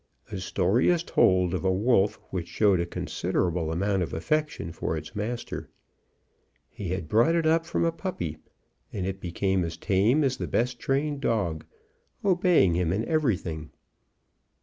A story is told of a wolf which showed a considerable amount of affection for its master. He had brought it up from a puppy, and it became as tame as the best trained dog, obeying him in everything.